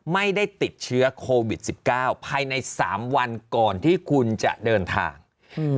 ไม่ได้ติดเชื้อโควิดสิบเก้าภายในสามวันก่อนที่คุณจะเดินทางอืม